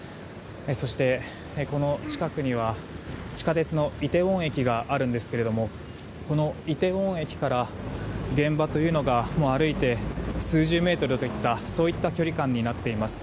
そして、この近くには地下鉄のイテウォン駅があるんですけれどもこのイテウォン駅から現場というのがもう歩いて数十メートルといったそういった距離感になっています。